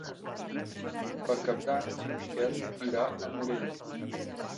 Per Cap d'Any en Miquel irà a Morella.